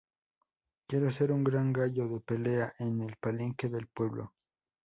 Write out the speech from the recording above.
Quiere ser un gran gallo de pelea en el palenque del pueblo.